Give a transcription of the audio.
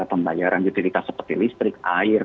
pembayaran utilitas seperti listrik air